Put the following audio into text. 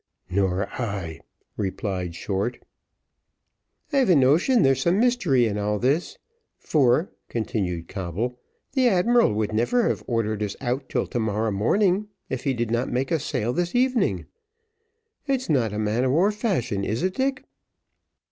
"Nor I," replied Short. "I've a notion there's some mystery in all this. For," continued Coble, "the admiral would never have ordered us out till to morrow morning, if he did not make us sail this evening. It's not a man of war fashion, is it, Dick?"